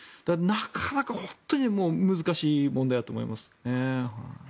なかなか本当に難しい問題だと思いますね。